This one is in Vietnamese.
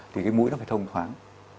thì cái mũi nó phải thông thoáng